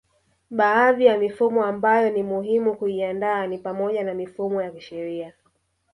Baadhi ya mifumo ambayo ni muhimu kuiandaa ni pamoja na mifumo ya kisheria